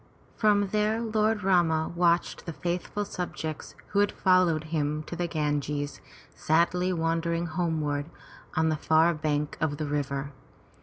From there Lord Rama watched the faithful subjects who had followed him to Ganges, sadly wending homeward on the far bank of the river.